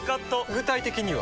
具体的には？